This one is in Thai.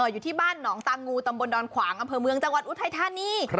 อยู่ที่บ้านหนองตางูตำบลดอนขวางอำเภอเมืองจังหวัดอุทัยธานี